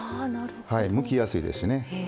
むきやすいですしね。